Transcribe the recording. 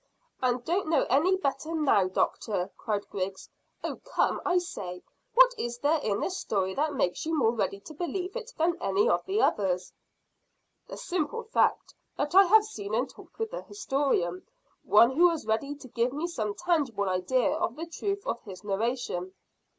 "And don't know any better now, doctor," cried Griggs. "Oh, come, I say, what is there in this story that makes you more ready to believe it than any of the others?" "The simple fact that I have seen and talked with the historian one who was ready to give me some tangible idea of the truth of his narration."